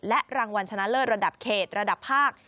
และรางวัลชนะเลิศระดับเขตระดับภาค